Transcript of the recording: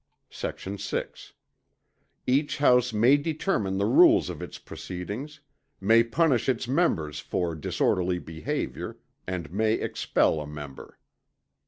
Sect. 6. Each House may determine the rules of its proceedings; may punish its members for disorderly behaviour; and may expel a member.